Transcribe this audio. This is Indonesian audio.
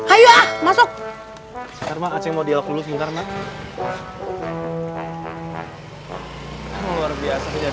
ayo ah masuk masuk mau diakui